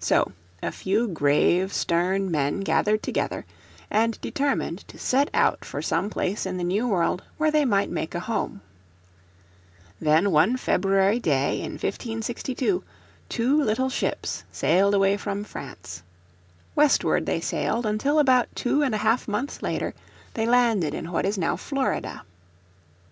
So a few grave, stern men gathered together and determined to set out for some place in the New World where they might make a home. Then one February day in 1562 two little ships sailed away from France. Westward they sailed until about two and a half months later they landed in what is now Florida.